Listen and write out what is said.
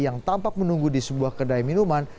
yang tampak menunggu di sebuah kedai minuman